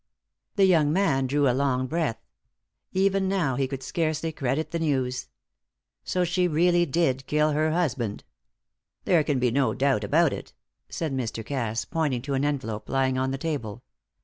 The young man drew a long breath. Even now he could scarcely credit the news. "So she really did kill her husband?" "There can be no doubt about it," said Mr. Cass, pointing to an envelope lying on the table.